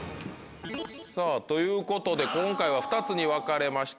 さぁということで今回は２つに分かれました。